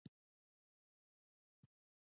شعار نه عمل پکار دی